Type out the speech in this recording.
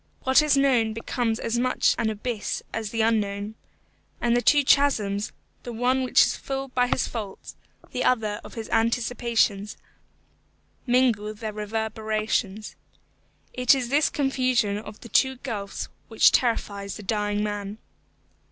What is known becomes as much an abyss as the unknown. And the two chasms, the one which is full by his faults, the other of his anticipations, mingle their reverberations. It is this confusion of the two gulfs which terrifies the dying man.